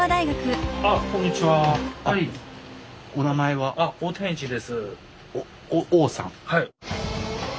はい。